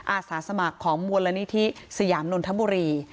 อาสาสมัครของมูลนิธิสยามนนทบุรี